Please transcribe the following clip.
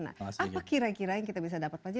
apa kira kira yang kita bisa dapat pelajari